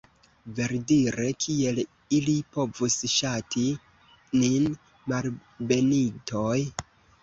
Verdire, kiel ili povus ŝati nin, malbenitoj?